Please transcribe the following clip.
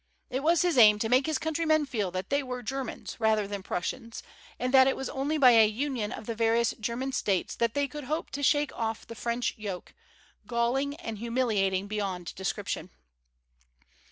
It was his aim to make his countrymen feel that they were Germans rather than Prussians, and that it was only by a union of the various German States that they could hope to shake off the French yoke, galling and humiliating beyond description.